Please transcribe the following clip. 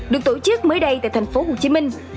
được tổ chức mới đây tại thành phố hồ chí minh